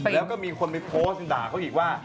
แล้วก็มีคนไปโพสต์ด่าเขาอีกว่า